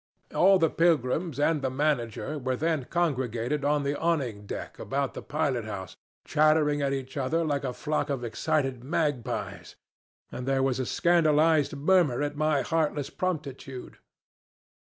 All the pilgrims and the manager were then congregated on the awning deck about the pilot house, chattering at each other like a flock of excited magpies, and there was a scandalized murmur at my heartless promptitude.